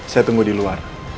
saya tunggu di luar